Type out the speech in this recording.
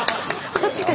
確かに。